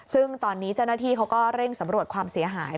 ซึ่งตอนนี้เจ้าหน้าที่เขาก็เร่งสำรวจความเสียหาย